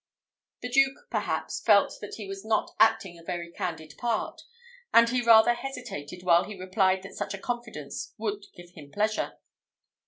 The Duke, perhaps, felt that he was not acting a very candid part, and he rather hesitated while he replied that such a confidence would give him pleasure.